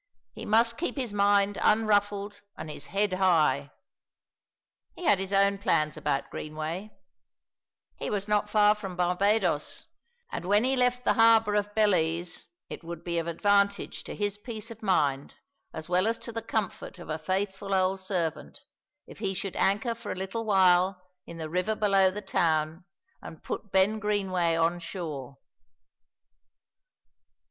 He must keep his mind unruffled and his head high. He had his own plans about Greenway: he was not far from Barbadoes, and when he left the harbour of Belize it would be of advantage to his peace of mind as well as to the comfort of a faithful old servant if he should anchor for a little while in the river below the town and put Ben Greenway on shore.